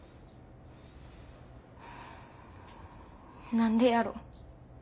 何でやろ。